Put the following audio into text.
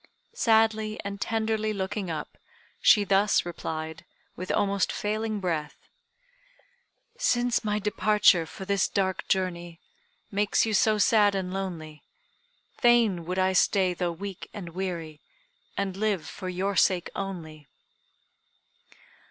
Sadly and tenderly looking up, she thus replied, with almost failing breath: "Since my departure for this dark journey, Makes you so sad and lonely, Fain would I stay though weak and weary, And live for your sake only!"